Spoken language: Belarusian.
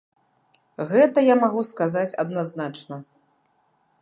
Гэта я магу сказаць адназначна!